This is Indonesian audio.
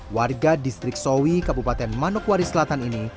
warga distrik sowi kabupaten manokwari selatan ini